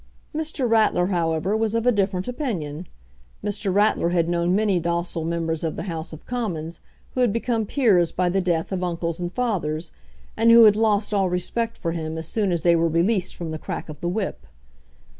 Mr. Ratler, however, was of a different opinion. Mr. Ratler had known many docile members of the House of Commons who had become peers by the death of uncles and fathers, and who had lost all respect for him as soon as they were released from the crack of the whip.